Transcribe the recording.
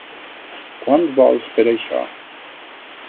Quant vols per això?